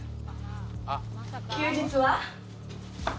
休日は。